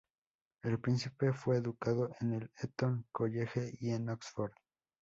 El príncipe fue educado en el Eton College y en Oxford.